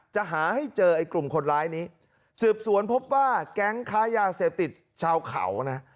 จะหาให้เจอไอ้กลุ่มคนร้ายนี้สืบสวนพบว่าแก๊งค้ายาเสพติดชาวเขานะ